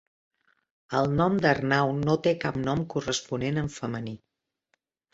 El nom d'Arnau no té cap nom corresponent en femení.